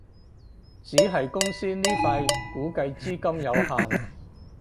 只係公司呢塊估計資金有限